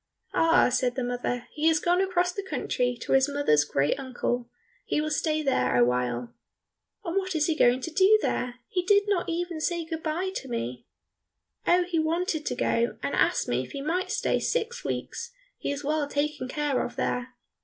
"Ah," said the mother, "he has gone across the country to his mother's great uncle; he will stay there awhile." "And what is he going to do there? He did not even say good bye to me." "Oh, he wanted to go, and asked me if he might stay six weeks, he is well taken care of there."